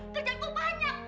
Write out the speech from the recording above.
kerja gua banyak